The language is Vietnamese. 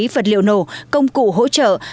vật liệu nổ công cụ hỗ trợ